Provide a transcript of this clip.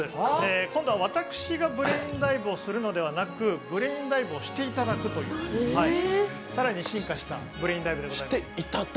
今度は私がブレインダイブをするのではなく、ブレインダイブをしていただくという更に進化したブレインダイブでございます。